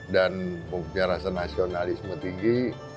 dan pengkharasan nasionalisme tinggi